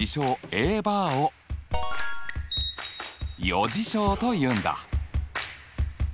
Ａバーを余事象というんだ。